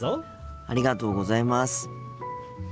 ありがとうございます。